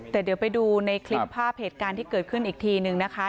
แต่เดี๋ยวไปดูในคลิปภาพเหตุการณ์ที่เกิดขึ้นอีกทีนึงนะคะ